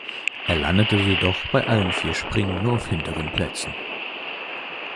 Er landete jedoch bei allen vier Springen nur auf hinteren Plätzen.